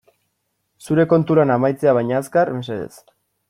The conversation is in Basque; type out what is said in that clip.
Zure kontu lana amaitzea baina azkar, mesedez.